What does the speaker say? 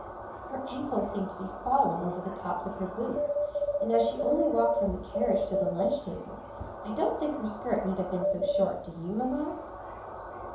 Her ankles seemed to be falling over the tops of her boots, and as she only walked from the carriage to the lunch table, I don't think her skirt need have been so short; do you, Mamma?